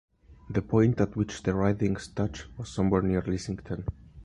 The point at which the Ridings touched was somewhere near Lissington.